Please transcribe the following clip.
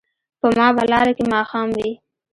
په ما به لاره کې ماښام وي